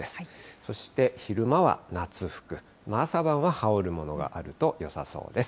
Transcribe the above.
そして昼間は夏服、朝晩は羽織るものがあるとよさそうです。